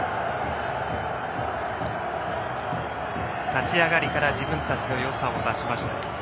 立ち上がりから自分たちのよさを出しました。